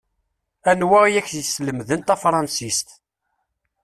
Anwa i ak-iselmaden tafṛansist?